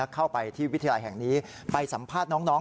เข้าไปที่วิทยาลัยแห่งนี้ไปสัมภาษณ์น้อง